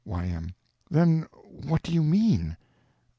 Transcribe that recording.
Y.M. Then what do you mean?